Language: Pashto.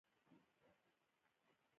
څوک چي دي په څپېړه ووهي؛ خندا دي ځني واخسته.